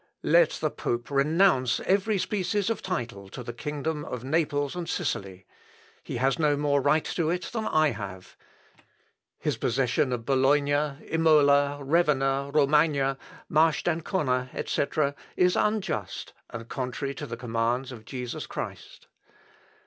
"Let the pope renounce every species of title to the kingdom of Naples and Sicily. He has no more right to it than I have. His possession of Bologna, Imola, Ravenna, Romagna, Marche d'Ancona, etc., is unjust and contrary to the commands of Jesus Christ.